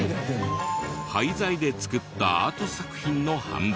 廃材で作ったアート作品の販売。